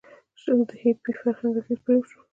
د هیپي فرهنګ اغیز پرې وشو.